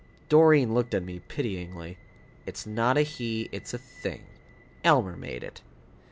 Doreen looked at me pityingly. "It's not a he, it's a thing. Elmer made it."